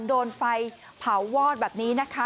โดนไฟเผาวอดแบบนี้นะคะ